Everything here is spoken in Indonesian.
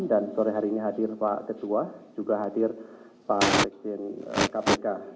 dan sore hari ini hadir pak ketua juga hadir pak presiden kpk